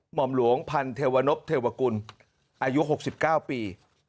หมอมหลวงพันเทวนพเทวกุลอายุ๖๙ปี